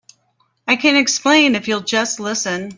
I can explain if you'll just listen.